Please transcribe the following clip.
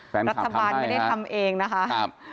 แฟนคลับมั้ยแฟนคลับไม่ได้ทำเองนะคะ